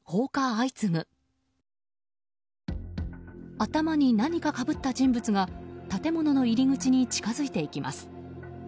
頭に何かかぶった人物が建物の入り口に近づいていきます。